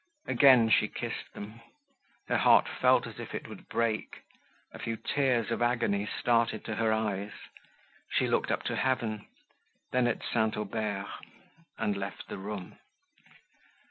Again she kissed them; her heart felt as if it would break, a few tears of agony started to her eyes, she looked up to heaven, then at St. Aubert, and left the room.